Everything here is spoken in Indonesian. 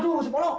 aduh si polo